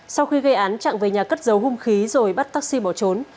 sau khi gây án trạng về nhà cất giấu hung khí rồi bắt taxi bỏ trốn